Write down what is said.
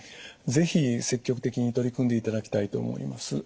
是非積極的に取り組んでいただきたいと思います。